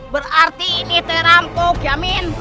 berarti ini terampuk ya min